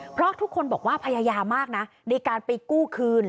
เพราะทุกคนบอกว่าพยายามมากนะในการไปกู้คืน